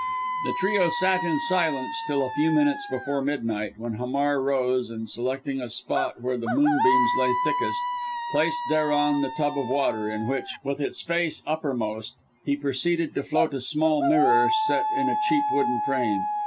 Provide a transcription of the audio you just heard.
The trio sat in silence till a few minutes before midnight, when Hamar rose, and, selecting a spot where the moonbeams lay thickest, placed thereon the tub of water, in which with its face uppermost he proceeded to float a small mirror, set in a cheap wooden frame.